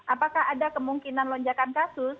apakah ada kemungkinan lonjakan kasus